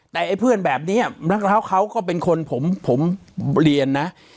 แต่ไอ้เพื่อนแบบนี้แล้วเขาก็เป็นคนผมเรียนนะ